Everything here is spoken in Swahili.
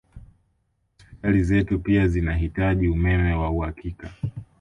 Hospitali zetu pia zinahitaji umeme wa uhakika